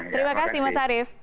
terima kasih mas arief